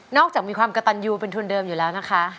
จากมีความกระตันยูเป็นทุนเดิมอยู่แล้วนะคะ